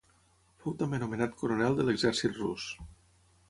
Fou també nomenat coronel de l'exèrcit rus.